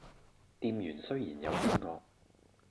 店員雖然有啲惡